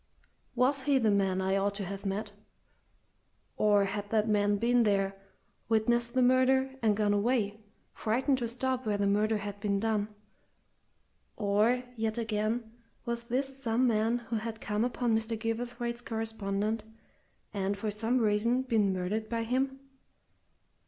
Was he the man I ought to have met? Or had that man been there, witnessed the murder, and gone away, frightened to stop where the murder had been done? Or yet again was this some man who had come upon Mr. Gilverthwaite's correspondent, and, for some reason, been murdered by him?